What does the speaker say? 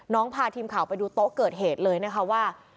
พาทีมข่าวไปดูโต๊ะเกิดเหตุเลยนะคะว่า